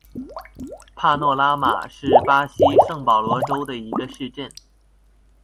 帕诺拉马是巴西圣保罗州的一个市镇。